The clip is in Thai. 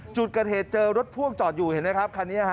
จุดเกิดเหตุเจอรถพ่วงจอดอยู่เห็นไหมครับคันนี้ฮะ